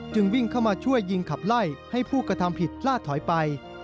วิ่งเข้ามาช่วยยิงขับไล่ให้ผู้กระทำผิดล่าถอยไป